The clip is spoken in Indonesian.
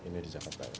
ini di jakarta ya